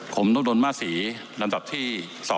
ผมต้องบทดลมาสีลำดับที่๒๖๐